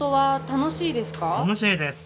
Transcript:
楽しいです。